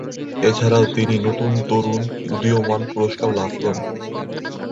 এছাড়াও তিনি "নতুন তরুন উদীয়মান" পুরস্কার লাভ করেন।